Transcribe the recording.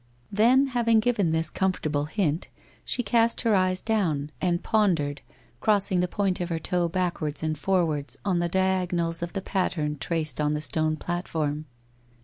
Then, having given this comfortable hint, she cast her eyes down, and pondered, crossing the point of her toe backwards and forwards on the diagonals of the pattern traced on the stone platform.